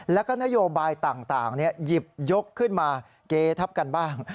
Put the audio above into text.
แล้วก็นโยบายต่างหยิบยกขึ้นมาเกทับกันบ้าง